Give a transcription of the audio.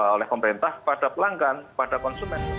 oleh pemerintah pada pelanggan pada konsumen